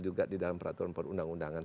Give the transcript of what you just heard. juga di dalam peraturan perundang undangan